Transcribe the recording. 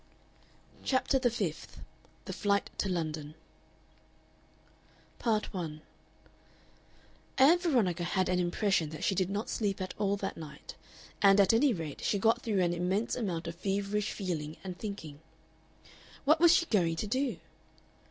CHAPTER THE FIFTH THE FLIGHT TO LONDON Part 1 Ann Veronica had an impression that she did not sleep at all that night, and at any rate she got through an immense amount of feverish feeling and thinking. What was she going to do?